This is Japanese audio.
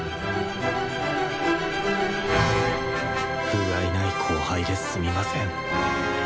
ふがいない後輩ですみません。